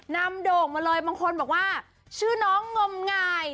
โด่งมาเลยบางคนบอกว่าชื่อน้องงมงาย